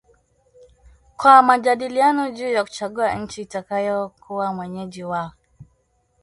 kwa majadiliano juu ya kuchagua nchi itakayokuwa mwenyeji wa